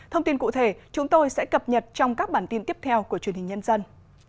thông tin cụ thể chúng tôi sẽ cập nhật trong các bản tin tiếp theo của truyền hình nhân dân